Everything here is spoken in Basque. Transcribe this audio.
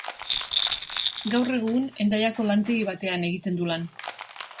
Gaur egun Hendaiako lantegi batean egiten du lan.